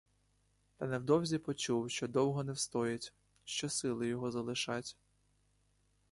Та невдовзі почув, що довго не встоїть, що сили його залишать.